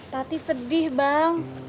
tati sedih bang